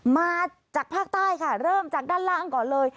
มาจากภาคใต้ค่ะเริ่มจากด้านล่างก่อนเลย